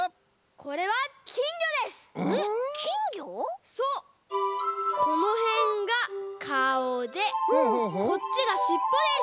このへんがかおでこっちがしっぽです！